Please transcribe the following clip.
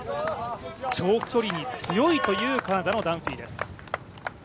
長距離に強いという、カナダのダンフィーです。